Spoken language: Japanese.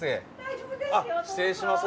あっ失礼します。